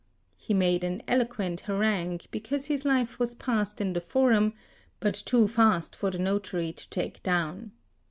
] He made an eloquent harangue, because his life was passed in the forum, but too fast for the notary to take down.